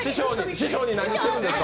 師匠に何をしているんですか！